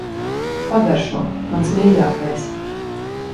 Pagaršo. Mans mīļākais.